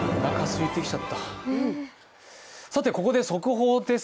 ここで速報です。